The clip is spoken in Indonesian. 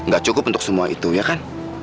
gak cukup untuk semua itu ya kan